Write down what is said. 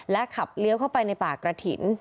ขับเลี้ยวเข้าไปในป่ากระถิ่น